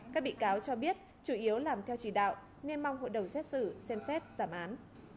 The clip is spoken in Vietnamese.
các bị cáo cho biết chủ yếu làm theo chỉ đạo nên mong hội đồng xét xử xem xét giảm án